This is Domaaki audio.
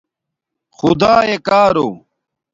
خُداݺیے کارݸ